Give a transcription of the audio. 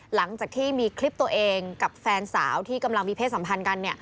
หลังจากที่มีคลิปตัวเองกับแฟนสาวที่กำลังมีเพศสัมพันธ์กัน